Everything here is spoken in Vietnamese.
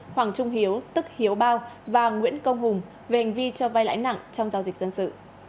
hoàng trung hiếu tức hiếu bao và nguyễn công hùng về hành vi cho vai lãi nặng trong giao dịch dân sự